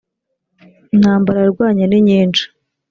intambara yarwanye ninyinshi